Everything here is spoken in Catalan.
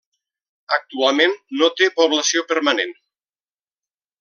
Actualment no té població permanent.